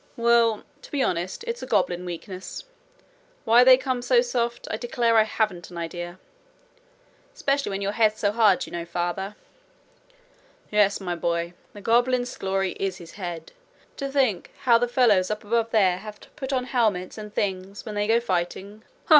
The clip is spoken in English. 'Well, to be honest, it's a goblin weakness. Why they come so soft, I declare I haven't an idea.' 'Specially when your head's so hard, you know, father.' 'Yes my boy. The goblin's glory is his head. To think how the fellows up above there have to put on helmets and things when they go fighting! Ha!